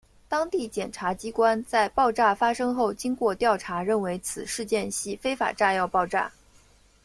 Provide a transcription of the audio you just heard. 当地检察机关在爆炸发生后经过调查认为此事件系非法炸药爆炸。